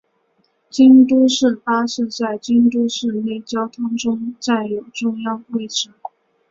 京都市巴士在京都市内交通中占有重要位置。